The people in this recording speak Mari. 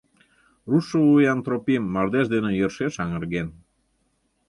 Руштшо вуян Тропим мардеж дене йӧршеш аҥырген.